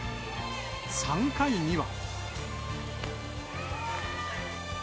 ３回には。